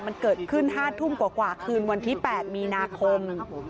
มันเกิดขึ้น๕ทุ่มกว่าคืนวันที่๘มีนาคม